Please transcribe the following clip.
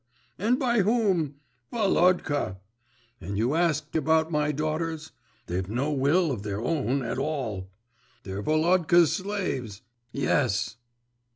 And by whom? Volodka! And you asked about my daughters; they've no will of their own at all. They're Volodka's slaves! Yes!